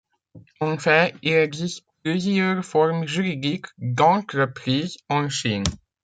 En fait, il existe plusieurs formes juridiques d'entreprises en Chine.